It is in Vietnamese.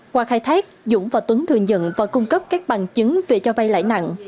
qua khai thác dũng và tuấn thừa nhận và cung cấp các bằng chứng về cho vay lãi nặng